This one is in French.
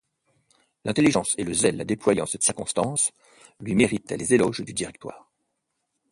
L’intelligence et le zèle déployés en cette circonstance, lui mérite les éloges du directoire.